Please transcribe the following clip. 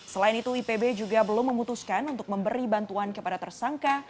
selain itu ipb juga belum memutuskan untuk memberi bantuan kepada tersangka